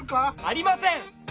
ありません！